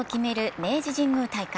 明治神宮大会。